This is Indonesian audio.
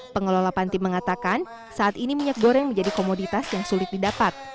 pengelola panti mengatakan saat ini minyak goreng menjadi komoditas yang sulit didapat